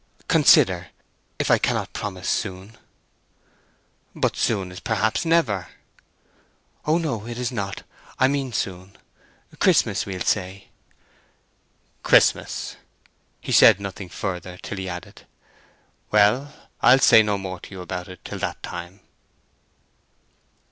"—Consider, if I cannot promise soon." "But soon is perhaps never?" "Oh no, it is not! I mean soon. Christmas, we'll say." "Christmas!" He said nothing further till he added: "Well, I'll say no more to you about it till that time."